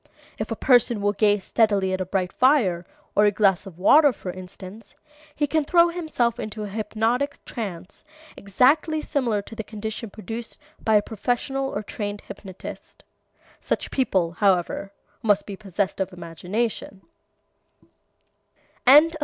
If a person will gaze steadily at a bright fire, or a glass of water, for instance, he can throw himself into a hypnotic trance exactly similar to the condition produced by a professional or trained hypnotist. Such people, however, must be possessed of imagination.